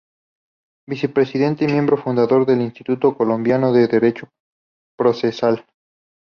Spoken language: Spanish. Vicepresidente y miembro fundador del Instituto Colombiano de Derecho Procesal.